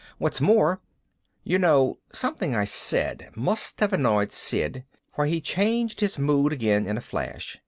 What's more " You know, something I said must have annoyed Sid, for he changed his mood again in a flash.